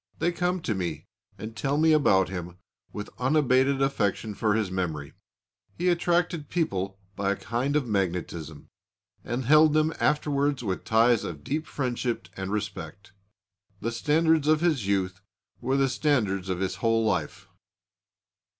They come to me and tell me about him with unabated affection for his memory. He attracted people by a kind of magnetism, and held them afterwards with ties of deep friendship and respect. The standards of his youth were the standards of his whole life.